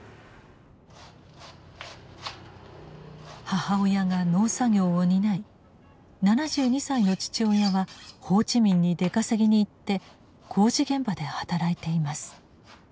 母親が農作業を担い７２歳の父親はホーチミンに出稼ぎに行って工事現場で働いています。